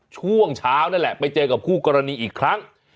ช่วงเช้านั่นแหละไปเจอกับคู่กรณีอีกครั้ง